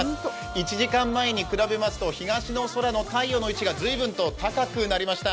１時間前に比べますと、東の空の太陽の位置が高くなりました。